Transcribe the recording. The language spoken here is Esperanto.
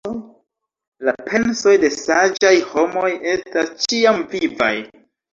La pensoj de saĝaj homoj estas ĉiam vivaj.